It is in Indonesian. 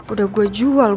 udah gue jual